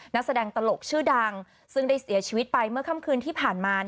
นักแสดงตลกชื่อดังซึ่งได้เสียชีวิตไปเมื่อค่ำคืนที่ผ่านมา